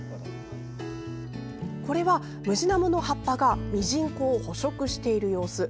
これは、ムジナモの葉っぱがミジンコを捕食している様子。